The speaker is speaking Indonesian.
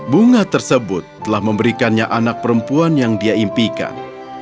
bunga tersebut telah memberikannya anak perempuan yang dia impikan